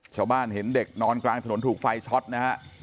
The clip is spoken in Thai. ชาวบ้านเห็นเด็กนอนกลางถนนถูกไฟช็อตนะฮะ